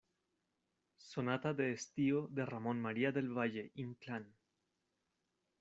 sonata de estío de Ramón María del Valle-Inclán.